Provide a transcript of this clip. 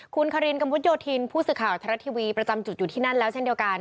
คุณคารินกระมุดโยธินผู้สื่อข่าวทรัฐทีวีประจำจุดอยู่ที่นั่นแล้วเช่นเดียวกัน